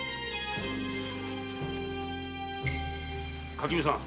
垣見さん。